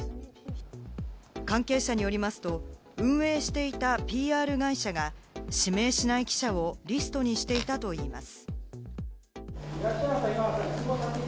関係者によりますと、運営していたＰＲ会社が指名しない記者をリストにしていたといいます。